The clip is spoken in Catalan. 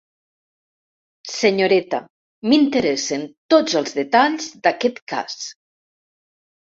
Senyoreta, m'interessen tots els detalls d'aquest cas.